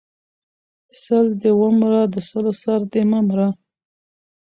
سل دې ومره د سلو سر دې مه مره!